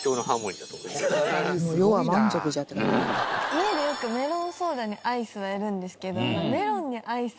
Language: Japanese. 家でよくメロンソーダにアイスはやるんですけど。